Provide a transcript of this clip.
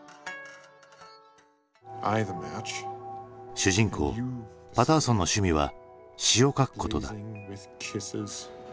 主人公パターソンの趣味は詩を書くことだ。